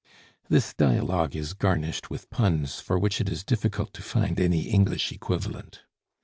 [This dialogue is garnished with puns for which it is difficult to find any English equivalent.